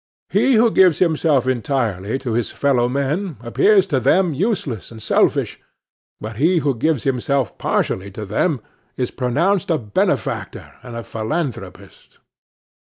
He who gives himself entirely to his fellow men appears to them useless and selfish; but he who gives himself partially to them is pronounced a benefactor and philanthropist.